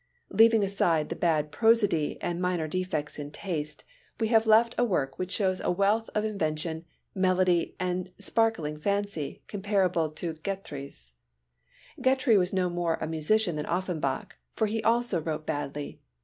Leaving aside the bad prosody and the minor defects in taste, we have left a work which shows a wealth of invention, melody, and sparkling fancy comparable to Grétry's. Grétry was no more a great musician than Offenbach, for he also wrote badly.